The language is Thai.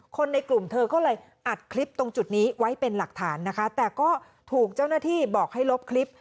คนในกลุ่มเธอก็เลยอัดคลิปตรงจุดนี้ไว้เป็นหลักฐานนะคะแต่ก็ถูกเจ้าหน้าที่บอกให้ลบคลิป